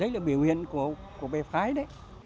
đấy là biểu hiện của bè phái đấy